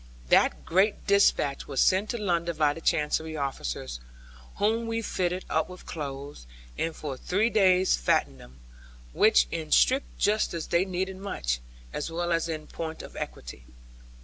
That great despatch was sent to London by the Chancery officers, whom we fitted up with clothes, and for three days fattened them; which in strict justice they needed much, as well as in point of equity.